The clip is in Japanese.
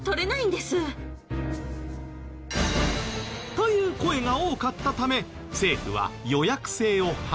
という声が多かったため政府は予約制を廃止。